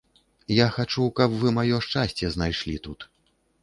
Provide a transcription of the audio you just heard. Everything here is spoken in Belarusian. Я хачу, каб вы маё шчасце знайшлі тут.